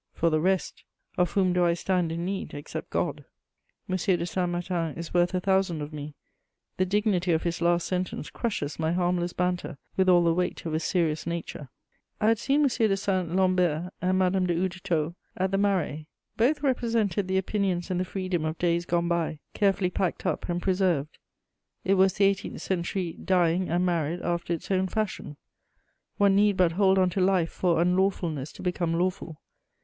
For the rest, of whom do I stand in need except God?" M. de Saint Martin is worth a thousand of me: the dignity of his last sentence crushes my harmless banter with all the weight of a serious nature. I had seen M. de Saint Lambert and Madame de Houdetot at the Marais. Both represented the opinions and the freedom of days gone by, carefully packed up and preserved: it was the eighteenth century dying and married after its own fashion. One need but hold on to life for unlawfulness to become lawful.